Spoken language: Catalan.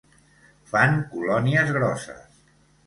Fan colònies grosses.